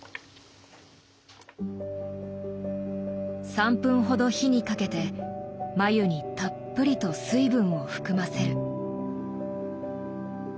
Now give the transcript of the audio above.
３分ほど火にかけて繭にたっぷりと水分を含ませる。